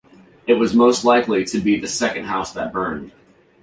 It was most likely to be the second house that burned.